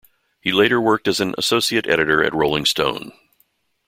He later worked as an associate editor at "Rolling Stone".